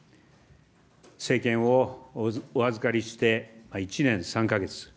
政権をお預かりして１年３か月。